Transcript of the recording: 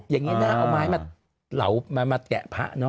อย่างนี้น่าเอาไม้มาเหลามาแกะพระเนอ